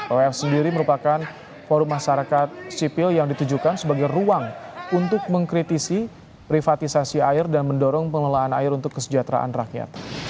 of sendiri merupakan forum masyarakat sipil yang ditujukan sebagai ruang untuk mengkritisi privatisasi air dan mendorong pengelolaan air untuk kesejahteraan rakyat